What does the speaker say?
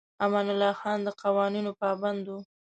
امان الله خان د قوانینو پابند و.